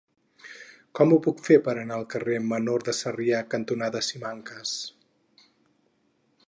Com ho puc fer per anar al carrer Menor de Sarrià cantonada Simancas?